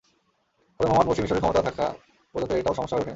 তবে Mohamed Morsi মিসরের ক্ষমতায় থাকা পর্যন্ত এটাও সমস্যা হয়ে ওঠেনি।